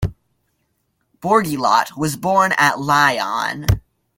Bourgelat was born at Lyon.